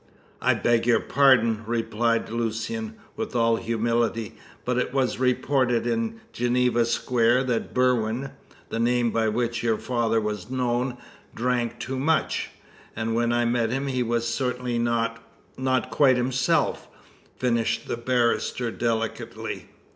"I beg your pardon," replied Lucian, with all humility, "but it was reported in Geneva Square that Berwin the name by which your father was known drank too much; and when I met him he was certainly not not quite himself," finished the barrister delicately.